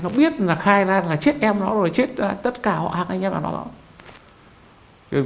nó biết là khai ra là chết em nó rồi chết tất cả các anh em của nó